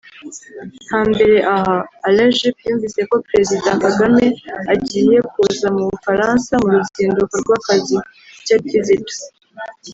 hambere aha Alain Juppe yumvise ko President kagame agiye kuza mu bufransa mu ruzinduko rw’akazi (state visit)